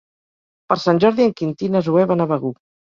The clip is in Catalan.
Per Sant Jordi en Quintí i na Zoè van a Begur.